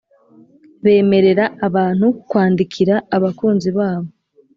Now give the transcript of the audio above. bemerera abantu kwandikira abakunzi babo.